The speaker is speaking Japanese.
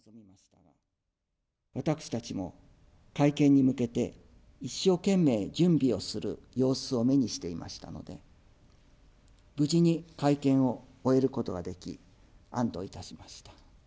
私たちも会見に向けて、一生懸命準備をする様子を目にしていましたので、無事に会見を終えることができ、安どいたしました。